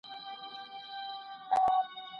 و قاضي صاحب ته ور کړې زر دیناره